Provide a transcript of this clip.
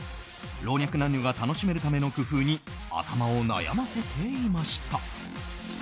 老若男女が楽しめるための工夫に頭を悩ませていました。